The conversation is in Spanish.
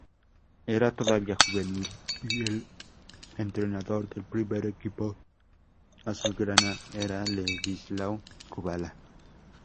Era todavía juvenil y el entrenador del primer equipo azulgrana era Ladislao Kubala.